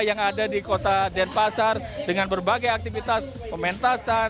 yang ada di kota denpasar dengan berbagai aktivitas pementasan